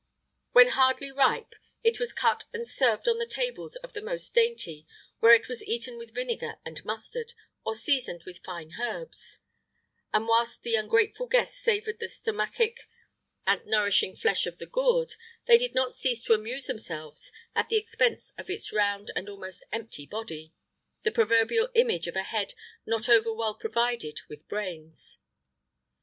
[IX 58] When hardly ripe, it was cut and served on the tables of the most dainty, where it was eaten with vinegar and mustard, or seasoned with fine herbs:[IX 59] and whilst the ungrateful guests savoured the stomachic and nourishing flesh of the gourd,[IX 60] they did not cease to amuse themselves at the expense of its round and almost empty body[IX 61] the proverbial image of a head not over well provided with brains.